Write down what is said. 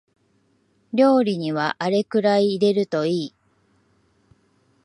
料理にはあれくらい入れるといい